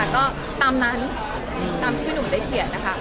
ก็ตามนั้นตามที่หนุ่มได้เขียนนะคะ